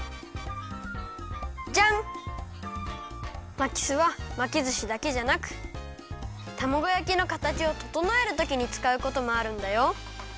まきすはまきずしだけじゃなくたまごやきのかたちをととのえるときにつかうこともあるんだよ。